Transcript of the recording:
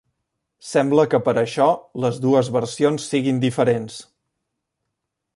Sembla que per això, les dues versions siguin diferents.